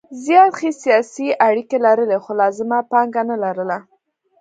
زیات ښې سیاسي اړیکې لرلې خو لازمه پانګه نه لرله.